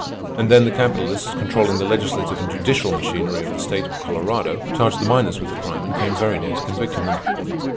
And then the capitalists, controlling the legislative and judicial machinery of the state of Colorado, charged the miners with the crime and came very near to convicting them.